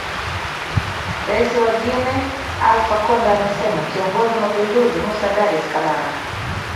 rais wa guinea alfa konde amesema kiongozi wa mapinduzi moussa dadis camara